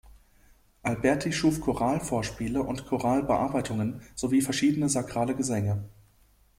Alberti schuf Choralvorspiele und Choralbearbeitungen sowie verschiedene sakrale Gesänge.